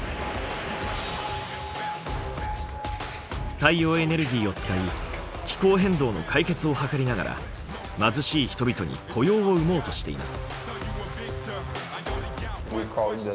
太陽エネルギーを使い気候変動の解決を図りながら貧しい人々に雇用を生もうとしています。